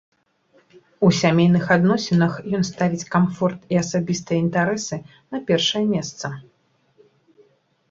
У сямейных адносінах ён ставіць камфорт і асабістыя інтарэсы на першае месца.